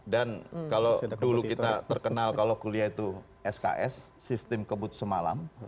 dan kalau dulu kita terkenal kalau kuliah itu sks sistem kebut semalam